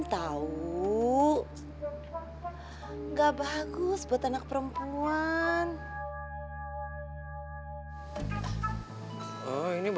nggak bagus buat anak perempuan